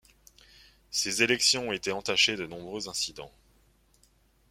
Ces élections ont été entachées de nombreux incidents.